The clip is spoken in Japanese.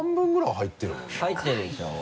入ってるでしょ。